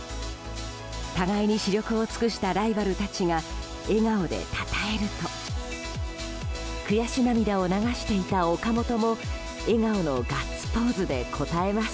互いに死力を尽くしたライバルたちが笑顔でたたえると悔し涙を流していた岡本も笑顔のガッツポーズで応えます。